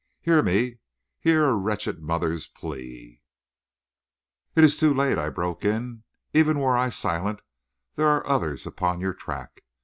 Hear me; hear a wretched mother's plea " "It is too late," I broke in. "Even were I silent there are others upon your track.